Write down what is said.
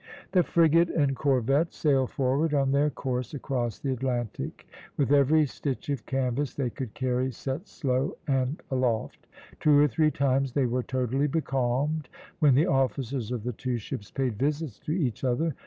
The frigate and corvette sailed forward on their course across the Atlantic, with every stitch of canvas they could carry set slow and aloft. Two or three times they were totally becalmed, when the officers of the two ships paid visits to each other.